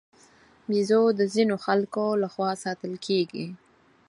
بیزو د ځینو خلکو له خوا ساتل کېږي.